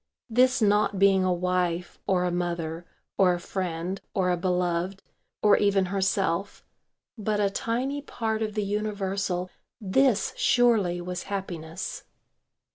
This not being a wife, or a mother, or a friend, or a beloved, or even herself, but a tiny part of the universal, this surely was happiness.